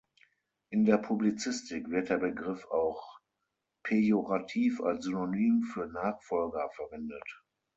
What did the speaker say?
In der Publizistik wird der Begriff auch pejorativ als Synonym für Nachfolger verwendet.